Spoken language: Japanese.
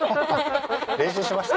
練習しました？